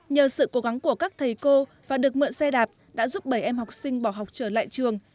nhờ sự cố gắng của các thầy cô và được mượn xe đạp đã giúp bảy em học sinh bỏ học trở lại trường